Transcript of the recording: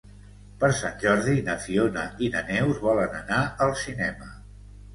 Per Sant Jordi na Fiona i na Neus volen anar al cinema.